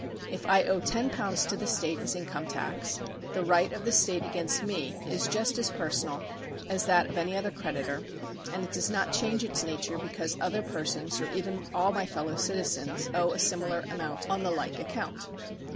If I owe ten pounds to the state as income tax, the right of the state against me is just as personal as is that of any other creditor, and it does not change its nature because other persons or even all my fellow citizens owe a similar amount on the like account.